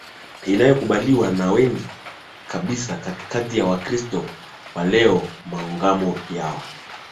inayokubaliwa na wengi kabisa kati ya Wakristo wa leo Maungamo yao